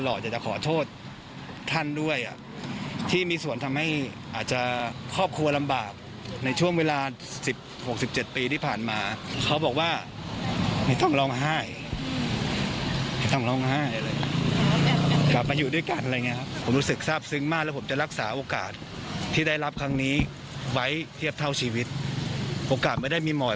โอกาสไม่ได้มีหมอยเพราะฉะนั้นเนี่ย